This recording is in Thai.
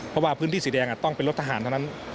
เพราะว่าพื้นที่สีแดงต้องเป็นรถทหารเท่านั้น